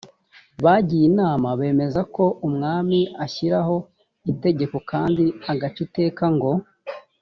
bagiye inama bemeza ko umwami ashyiraho itegeko kandi agaca iteka ngo